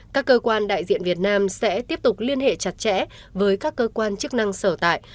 các cơ quan đại diện việt nam sẽ tiếp tục liên hệ chặt chẽ với các cơ quan chức năng sở tại